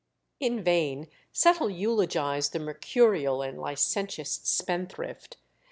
In vain Settle eulogised the mercurial and licentious spendthrift.